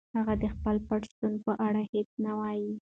هغه د خپل پټ شتون په اړه هیڅ نه وايي.